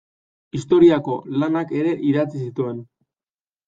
Historiako lanak ere idatzi zituen.